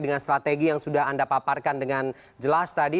dengan strategi yang sudah anda paparkan dengan jelas tadi